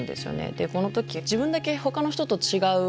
でこの時自分だけほかの人と違う。